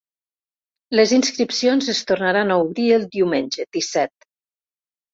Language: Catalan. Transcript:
Les inscripcions es tornaran a obrir el diumenge, disset.